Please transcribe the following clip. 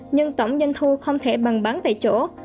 nhưng tổng doanh thu không thể bằng bán tại chỗ